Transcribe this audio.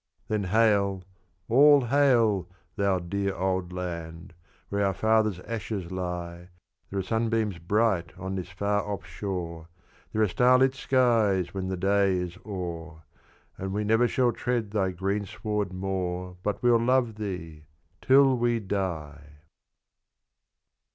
Then hail! all hail! thou "Dear Old Land," Where our fathers' ashes lie; There are sunbeams bright on this far off shore, There are starlit skies when the day is o'er, And we never shall tread thy greensward more, But we'll love thee, TILL WE DIE!